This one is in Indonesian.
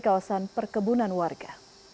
kawasan perkebunan warga